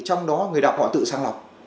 trong đó người đọc họ tự sang lọc